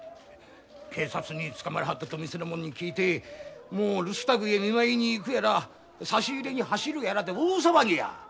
警察に捕まらはったと店の者に聞いてもう留守宅へ見舞いに行くやら差し入れに走るやらで大騒ぎや。